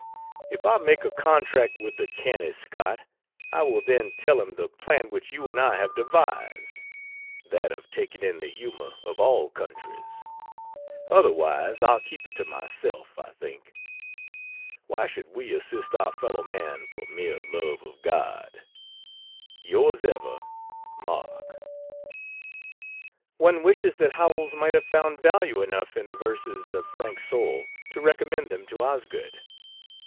If I make a contract with the canny Scot, I will then tell him the plan which you and I have devised (that of taking in the humor of all countries) otherwise I'll keep it to myself, I think. Why should we assist our fellowman for mere love of God? Yrs ever MARK. One wishes that Howells might have found value enough in the verses of Frank Soule to recommend them to Osgood.